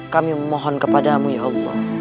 kami memohon kepadamu ya allah